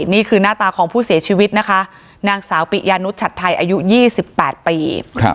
นี่คือหน้าตาของผู้เสียชีวิตนะคะนางสาวปิยานุชชัดไทยอายุ๒๘ปี